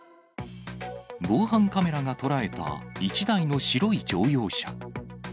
防犯カメラが捉えた１台の白い乗用車。